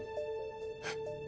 えっ？